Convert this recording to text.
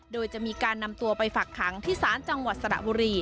โดยจะมีการนำตัวไปฝักขังที่ศาลจังหวัดสระบุรี